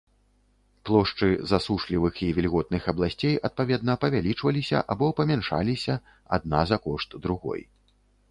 Плошчы засушлівых і вільготных абласцей адпаведна павялічваліся або памяншаліся адна за кошт другой.